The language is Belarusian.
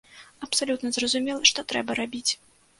Абсалютна зразумела, што трэба рабіць.